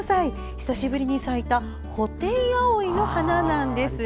久しぶりに咲いたホテイアオイの花なんです。